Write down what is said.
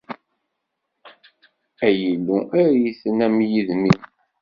Ay Illu, err-iten am yidmim.